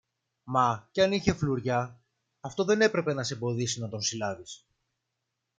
Μα και αν είχε φλουριά, αυτό δεν έπρεπε να σ' εμποδίσει να τον συλλάβεις.